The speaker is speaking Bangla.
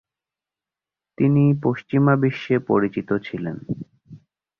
তিনি পশ্চিমা বিশ্বে পরিচিত ছিলেন।